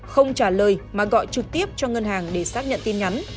không trả lời mà gọi trực tiếp cho ngân hàng để xác nhận tin nhắn